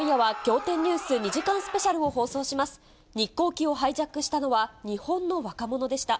日航機をハイジャックしたのは、日本の若者でした。